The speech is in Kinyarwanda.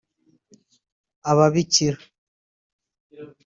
ababikira